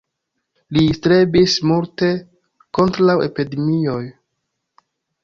Li strebis multe kontraŭ epidemioj.